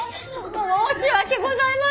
申し訳ございません！